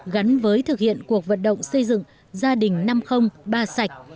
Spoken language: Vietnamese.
gắn với thực hiện cuộc vận động xây dựng gia đình năm trăm linh ba sạch